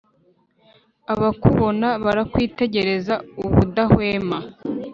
Abakubona barakwitegereza ubudahwema,